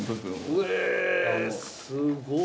うえすごい。